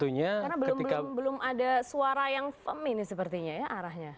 karena belum ada suara yang feminis sepertinya ya arahnya